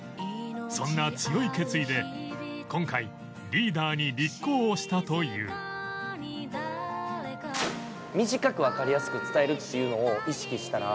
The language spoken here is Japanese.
そんな強い決意で今回リーダーに立候補したというっていうのを意識したら。